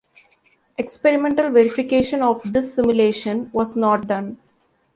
Experimental verification of this simulation was not done.